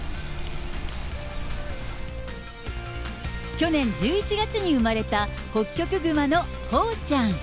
去年１１月に生まれた、ホッキョクグマのホウちゃん。